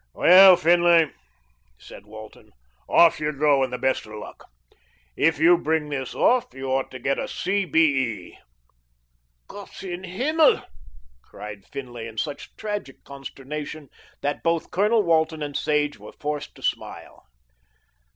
"Well, Finlay," said Walton, "off you go and the best of luck. If you bring this off you ought to get a C.B.E." "Gott in himmel!" cried Finlay in such tragic consternation, that both Colonel Walton and Sage were forced to smile.